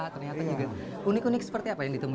ternyata juga unik unik seperti apa yang ditemukan